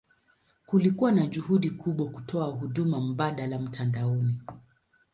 Kulikuwa na juhudi kubwa kutoa huduma mbadala mtandaoni.